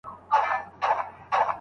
بازاريانو د ساعت قدر ونه پېژند.